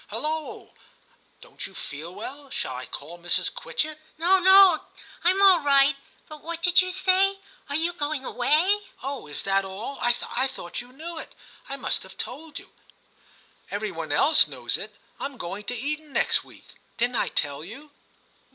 Hulloa! don't you feel well ? shall I call Mrs. Quitchett ?' Ill TIM 53 * No, no, Tm all right ; but what did you say ? are you going away ?Oh, is that all ? I thought you knew it ; I must have told you ; every one else knows it : Fm going to Eton next week ; didn't I tell you